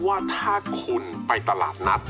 ว่าถ้าคุณไปตลาดนัด